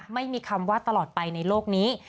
ไม่มีคำว่าตลอดไปในโลกนี้